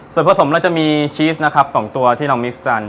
ส่วนผสมเราจะมีชีสนะครับ๒ตัวที่เรามิสกัน